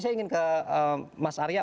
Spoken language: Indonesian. saya ingin ke mas arya